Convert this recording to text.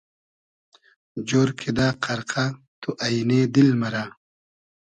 جۉر کیدہ قئرقۂ تو اݷنې دیل مئرۂ